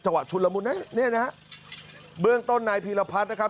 จังหวะชุนละมุนนะนี่นะเบื้องต้นไหนพีรพัฒน์นะครับ